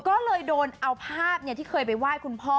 ก็เลยโดนเอาภาพที่เคยไปไหว้คุณพ่อ